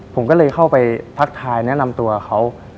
ผมก็เลยเข้าไปทักทายแนะนำตัวเขา